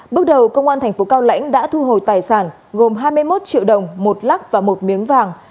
bước đầu công an thành phố cao lãnh đã thu hồi tài sản gồm hai mươi một triệu đồng một lắc và một miếng vàng